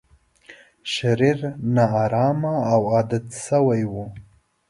شرير، نا ارامه او عادت شوی و.